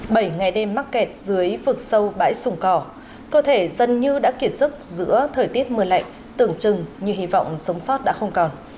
bảy ngày đêm mắc kẹt dưới vực sâu bãi sùng cỏ cơ thể dân như đã kiệt sức giữa thời tiết mưa lạnh tưởng chừng như hy vọng sống sót đã không còn